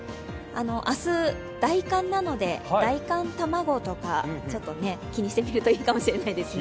明日、大寒なので、大寒たまごとか気にしてみるといいかもしれないですね。